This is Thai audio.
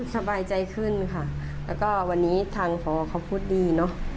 สบายใจขึ้นค่ะแล้วก็วันนี้ทางพอเขาพูดดีเนอะ